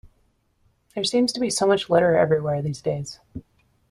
There seems to be so much litter everywhere these days